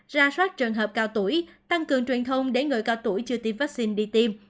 ra soát trường hợp cao tuổi tăng cường truyền thông để người cao tuổi chưa tiêm vaccine đi tiêm